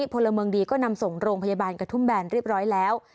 พลเมืองดีก็นำส่งโรงพยาบาลกระทุ่มแบนเรียบร้อยแล้ว